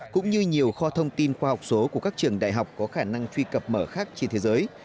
cũng như nhiều kho thông tin khoa học số của các trường đại học có khả năng truy cập mở khác trên thế giới